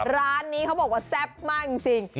ร้านนี้เขาบอกว่าแซ่บมากจริง